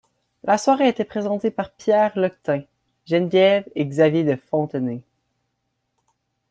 La soirée était présentée par Pierre Loctin, Geneviève et Xavier de Fontenay.